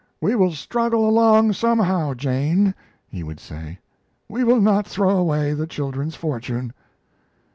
"We will struggle along somehow, Jane," he would say. "We will not throw away the children's fortune."